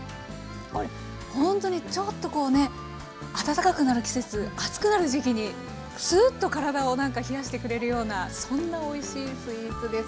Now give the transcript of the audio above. これほんとにちょっとこうね暖かくなる季節暑くなる時期にスーッと体を冷やしてくれるようなそんなおいしいスイーツです。